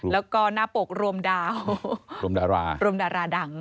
แล้วก็หน้าปกรวมดาวรวมดาราดัง